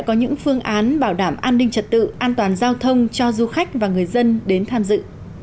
có những phương án bảo đảm an ninh trật tự an toàn giao thông cho du khách và người dân đến tham dự